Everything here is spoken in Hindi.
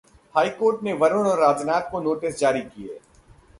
हाईकोर्ट ने वरुण और राजनाथ को नोटिस जारी किए